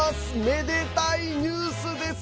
めでたいニュースです！